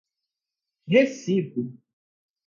recibo